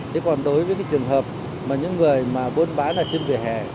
thế còn đối với cái trường hợp mà những người mà buôn bán ở trên vỉa hè